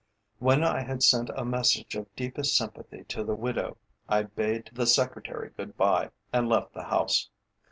When I had sent a message of deepest sympathy to the widow, I bade the secretary good bye, and left the house.